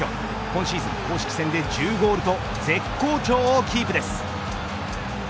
今シーズン公式戦で１０ゴールと絶好調をキープです。